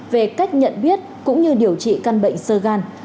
về cách nhận biết cũng như điều trị căn bệnh sơ gan